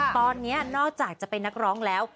ตอนนี้นอกจากจะเป็นนักร้องแล้ว